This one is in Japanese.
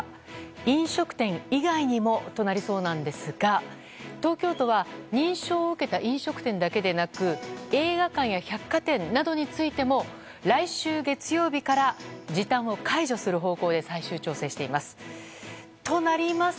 飲食店以外にもとなりそうなんですが東京都は認証を受けた飲食店だけでなく映画館や百貨店などについても来週月曜日から時短を解除する方向で最終調整しています。